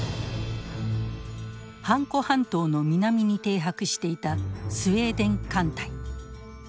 ハンコ半島の南に停泊していたスウェーデン艦隊。